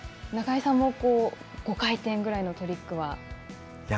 中井さんも５回転ぐらいのトリックは。